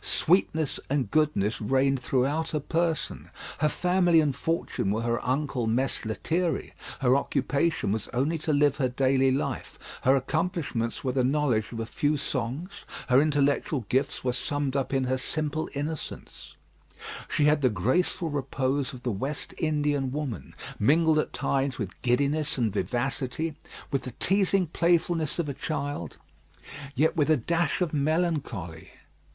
Sweetness and goodness reigned throughout her person; her family and fortune were her uncle Mess Lethierry; her occupation was only to live her daily life; her accomplishments were the knowledge of a few songs; her intellectual gifts were summed up in her simple innocence; she had the graceful repose of the West Indian woman, mingled at times with giddiness and vivacity, with the teasing playfulness of a child, yet with a dash of melancholy.